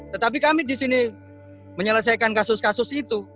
tetapi kami di sini menyelesaikan kasus kasus itu